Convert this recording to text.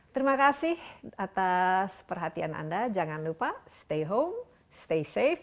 terima kasih atas perhatian anda jangan lupa stay home stay safe